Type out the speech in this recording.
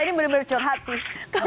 ini benar benar curhat sih